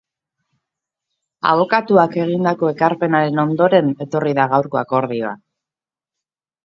Abokatuak egindako ekarpenaren ondoren etorri da gaurko akordioa.